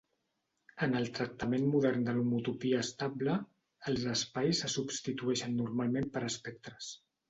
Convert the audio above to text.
En el tractament modern de l'homotopia estable, els espais se substitueixen normalment per espectres.